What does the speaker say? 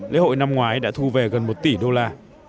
lễ hội năm ngoái đã thu về gần một tỷ đô la